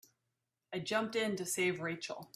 I jumped in to save Rachel.